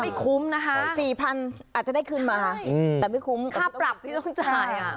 ไม่คุ้มนะคะ๔๐๐อาจจะได้คืนมาแต่ไม่คุ้มค่าปรับที่ต้องจ่ายอ่ะ